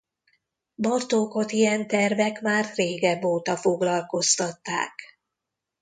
Bartókot ilyen tervek már régebb óta foglalkoztatták.